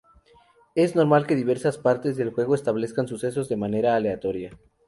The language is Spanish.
Es normal que diversas partes del juego establezcan sucesos de manera aleatoria.